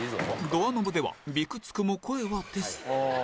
ドアノブではビクつくも声は出ず